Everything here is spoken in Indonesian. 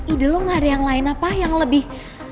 ide lo gak ada yang lain apa yang lebih